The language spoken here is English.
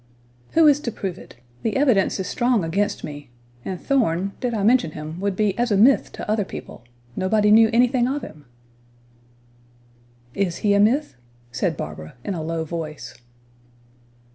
"Who is to prove it? The evidence is strong against me; and Thorn, did I mention him, would be as a myth to other people; nobody knew anything of him." "Is he a myth?" said Barbara, in a low voice.